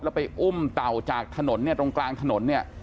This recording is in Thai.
แล้วไปอุ้มเต่าจากถนนเนี่ยตรงกลางถนนเนี่ย